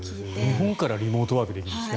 日本からリモートワークできるんですね。